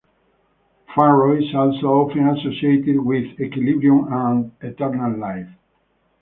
Faro is also often associated with equilibrium and eternal life.